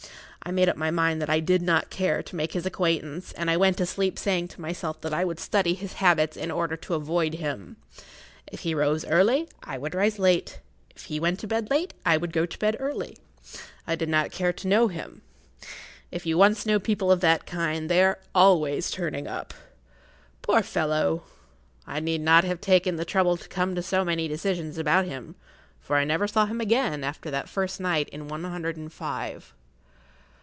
I made up my mind that I did not care to make his acquaintance, and I went to sleep saying to myself that I would study his habits in order to[Pg 20] avoid him. If he rose early, I would rise late; if he went to bed late, I would go to bed early. I did not care to know him. If you once know people of that kind they are always turning up. Poor fellow! I need not have taken the trouble to come to so many decisions about him, for I never saw him again after that first night in one hundred and five.